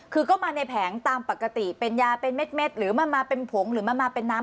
คือก็มาในแผงตามปกติเป็นยาเป็นเม็ดหรือมันมาเป็นผงหรือมันมาเป็นน้ำ